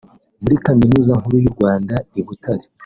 muri kaminuza Nkuru y’u Rwanda I Butare